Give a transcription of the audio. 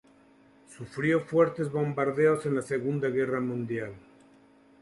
Sufrió fuertes bombardeos en la Segunda Guerra Mundial.